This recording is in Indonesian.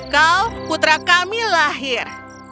kau putra kami lahir